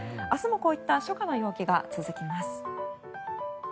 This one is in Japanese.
明日もこういった初夏の陽気が続きます。